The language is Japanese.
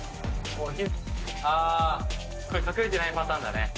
あこれ隠れてないパターンだね。